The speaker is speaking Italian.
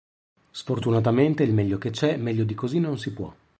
Sfortunatamente il meglio che c'è, meglio di così non si può".